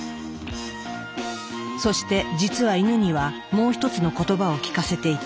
そして実はイヌにはもう一つの言葉を聞かせていた。